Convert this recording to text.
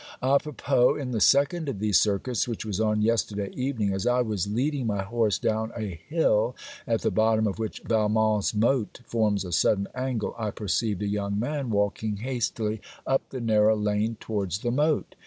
A propos, in the second of these circuits, which was on yesterday evening, as I was leading my horse down a hill at the bottom of which Valmont's moat forms a sudden angle, I perceived a young man walking hastily up the narrow lane towards the moat.